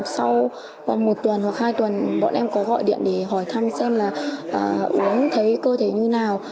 sau một tuần hoặc hai tuần bọn em có gọi điện để hỏi thăm xem là uống thấy cơ thể như nào